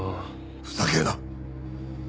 ふざけるな！